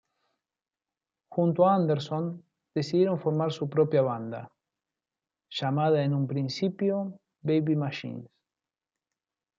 Junto a Anderson, decidieron formar su propia banda, llamada en un principio Baby Machines.